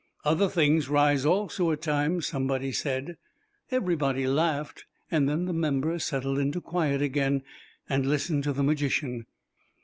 "Other things rise also at times," somebody said. Everybody laughed, and then the members settled into quiet again, and listened to the magician.